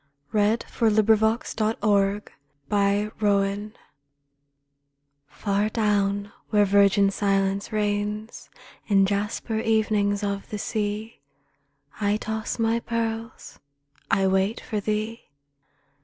66 ' THE SIREN'S SONG FROM " DUANDON " Far down, where virgin silence reigns, In jasper evenings of the sea, I toss my pearls, I wait for thee.